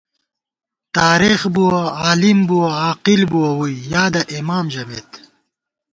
تارېخ بُوَہ، عالم بُوَہ، عاقل بُوَہ ووئی، یادَہ اېمام ژَمېت